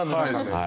はい。